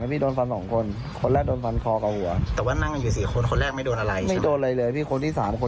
มึงก็ฟันผม